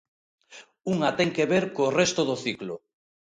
Unha ten que ver co resto do ciclo.